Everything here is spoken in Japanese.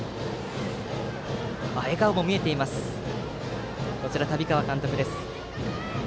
笑顔も見えています、旅川監督。